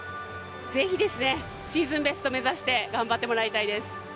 ぜひシーズンベスト目指して頑張ってもらいたいです。